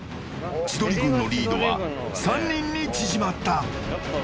千鳥軍のリードは３人に縮まった。